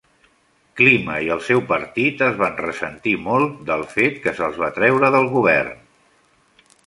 Klima i el seu partit es van ressentir molt del fet que s'els va treure del govern.